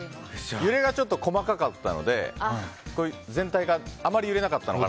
揺れが細かかったので全体があまり揺れなかったのかな